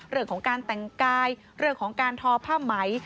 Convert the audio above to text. เรื่องของการแต่งกายเรื่องของการทอผ้าไหม